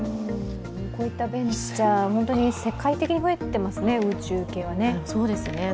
こういったベンチャー、世界的に増えていますね、宇宙系は。